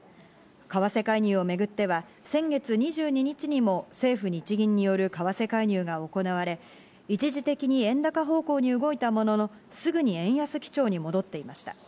為替介入をめぐっては先月２２日にも政府・日銀による為替介入が行われ、一時的に円高方向に動いたものの、すぐに円安基調に戻っていました。